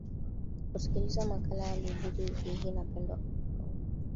kusikiliza makala yaliojiri wiki hii na pendo po